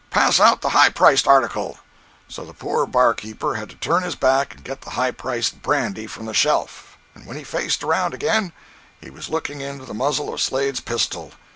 —pass out the high priced article." So the poor bar keeper had to turn his back and get the high priced brandy from the shelf; and when he faced around again he was looking into the muzzle of Slade's pistol.